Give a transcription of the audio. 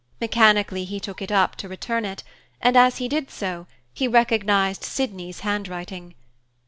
Mechanically he took it up to return it, and, as he did so, he recognized Sydney's handwriting.